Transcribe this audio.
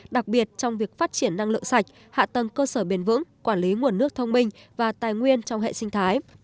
đặc biệt trong việc phát triển năng lượng sạch hạ tầng cơ sở bền vững quản lý nguồn nước thông minh và tài nguyên trong hệ sinh thái